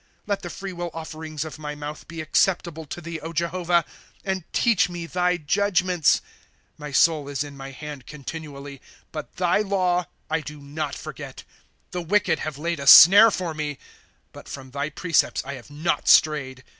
■^ Let the free wih offerings of my mouth be acceptable to thee, Jehovah ; And teach me thy judgments. " My soul is in my hand continually ; But thy law I do not forget. " The wicked have laid a snare for me ; But from thy precepts I have not strayed.